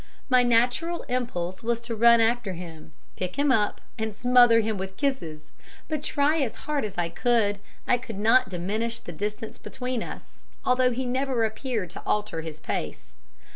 My natural impulse was to run after him, pick him up and smother him with kisses; but try as hard as I could, I could not diminish the distance between us, although he never appeared to alter his pace.